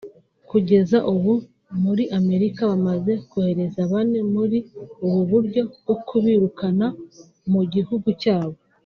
Kugeza ubu muri Amerika bamaze kohereza bane muri ubu buryo bwo kubirukana mu gihugu cyabo